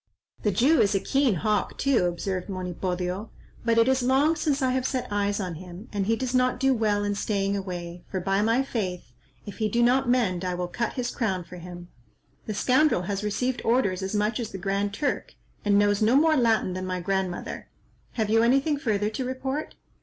"The Jew is a keen hawk too," observed Monipodio, "but it is long since I have set eyes on him, and he does not do well in staying away, for, by my faith, if he do not mend, I will cut his crown for him. The scoundrel has received orders as much as the Grand Turk, and knows no more Latin than my grandmother. Have you anything further to report?"